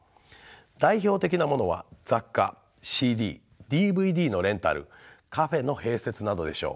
代表的なものは雑貨ＣＤＤＶＤのレンタルカフェの併設などでしょう。